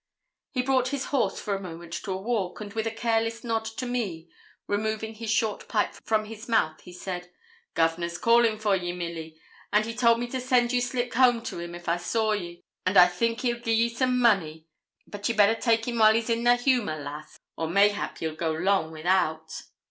He brought his horse for a moment to a walk, and with a careless nod to me, removing his short pipe from his mouth, he said 'Governor's callin' for ye, Milly; and he told me to send you slick home to him if I saw you, and I think he'll gi'e ye some money; but ye better take him while he's in the humour, lass, or mayhap ye'll go long without.'